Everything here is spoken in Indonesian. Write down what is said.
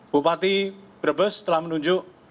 bupati brebes telah menunjuk